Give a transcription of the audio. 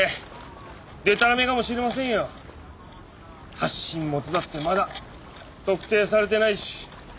発信元だってまだ特定されてないし。